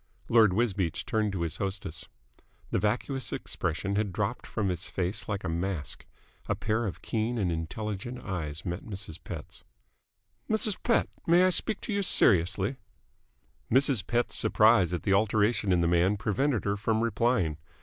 Lord Wisbeach turned to his hostess. The vacuous expression had dropped from his face like a mask. A pair of keen and intelligent eyes met Mrs. Pett's. "Mrs. Pett, may I speak to you seriously?" Mrs. Pett's surprise at the alteration in the man prevented her from replying.